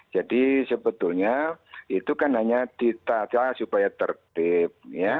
jadi sebetulnya itu kan hanya ditata supaya tertib